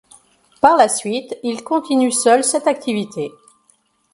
Par la suite, il continue seul cette activité.